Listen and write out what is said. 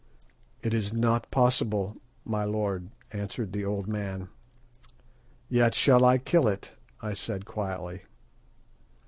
"It is not possible, my lord," answered the old man. "Yet shall I kill it," I said quietly.